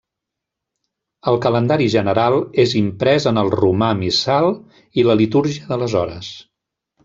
El Calendari General és imprès en el Romà Missal i la Litúrgia de les hores.